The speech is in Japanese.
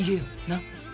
なっ。